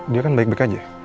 dia kan baik baik aja